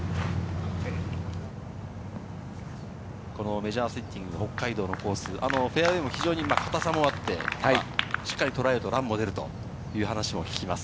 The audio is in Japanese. メジャーセッティング、北海道のコース、フェアウエーも非常に硬さもあって、しっかり捉えるとランも出るという話を聞きます。